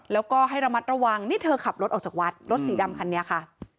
แล้วก็ให้ระมัดระวังนี่เธอขับรถออกจากวัดรถสีดำคันนี้ค่ะ